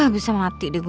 bisa mati deh gue